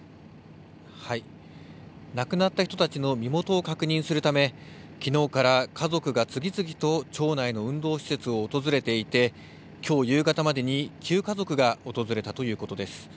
亡くなった人たちの身元を確認するためきのうから家族が次々と町内の運動施設を訪れていてきょう夕方までに９家族が訪れたということです。